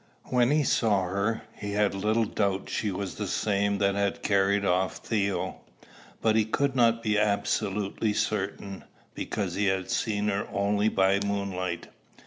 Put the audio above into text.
When he saw her, he had little doubt she was the same that had carried off Theo; but he could not be absolutely certain, because he had seen her only by moonlight.